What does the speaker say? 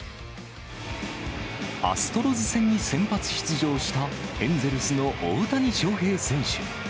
アストロズ戦に先発出場した、エンゼルスの大谷翔平選手。